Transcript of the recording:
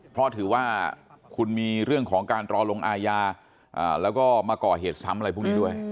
เพราะถือว่าคุณมีเรื่องของการรอลงอาญาแล้วก็มาก่อเหตุซ้ำอะไรพวกนี้ด้วย